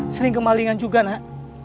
sering kemalingan juga nak